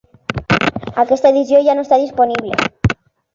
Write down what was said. Aquesta edició ja no està disponible.